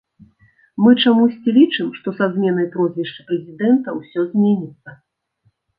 Мы чамусьці лічым, што са зменай прозвішча прэзідэнта ўсё зменіцца.